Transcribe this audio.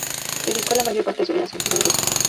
Dedicó la mayor parte de su vida a asuntos de negocios.